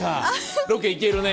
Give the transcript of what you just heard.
ロケ行けるね。